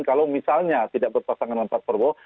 kalau misalnya tidak berpasangan dengan pak prabowo